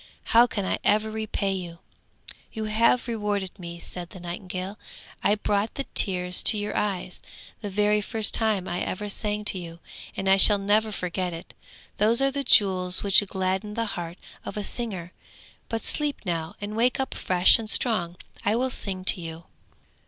How can I ever repay you?' 'You have rewarded me,' said the nightingale. 'I brought the tears to your eyes, the very first time I ever sang to you, and I shall never forget it! Those are the jewels which gladden the heart of a singer; but sleep now, and wake up fresh and strong! I will sing to you!'